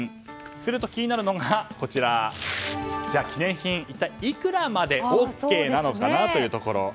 すると気になるのが記念品、一体いくらまでＯＫなのかなというところ。